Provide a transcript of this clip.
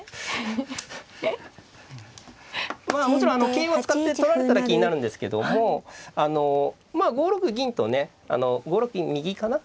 まあもちろん桂を使って取られたら気になるんですけどもあのまあ５六銀とね５六銀右かな。